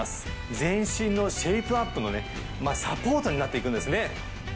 全身のシェイプアップのサポートになって行くんですね。